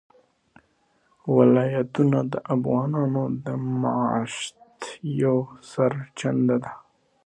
ولایتونه د افغانانو د معیشت یوه سرچینه ده.